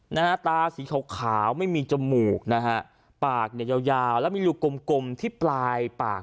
นะฮะตาสีขาวขาวไม่มีจมูกนะฮะปากเนี่ยยาวยาวแล้วมีลูกกลมกลมที่ปลายปาก